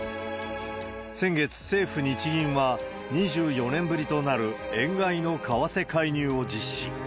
先月、政府・日銀は、２４年ぶりとなる円買いの為替介入を実施。